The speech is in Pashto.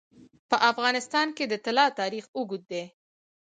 په افغانستان کې د طلا تاریخ اوږد دی.